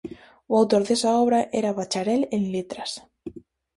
O autor desa obra era bacharel en letras.